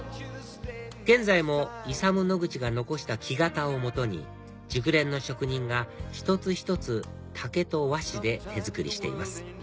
現在もイサム・ノグチが残した木型を元に熟練の職人が一つ一つ竹と和紙で手作りしています